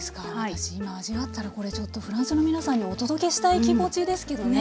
私今味わったらこれちょっとフランスの皆さんにお届けしたい気持ちですけどね。